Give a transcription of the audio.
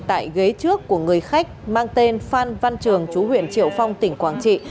tại ghế trước của người khách mang tên phan văn trường chú huyện triệu phong tỉnh quảng trị